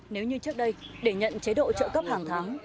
nếu như trước đây để nhận chế độ trợ cấp hàng tháng